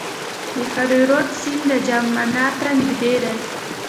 د هریرود سیند د جام منار ته نږدې دی